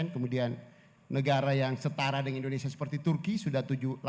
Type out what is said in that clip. kemudian negara yang setara dengan indonesia seperti turki sudah tujuh ratus